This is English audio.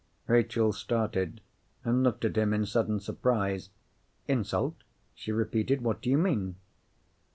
Rachel started, and looked at him in sudden surprise. "Insult?" she repeated. "What do you mean?"